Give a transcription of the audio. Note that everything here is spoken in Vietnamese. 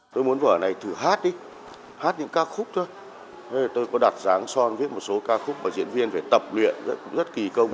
tôi có đặt dáng son viết một số ca khúc và diễn viên phải tập luyện rất kỳ công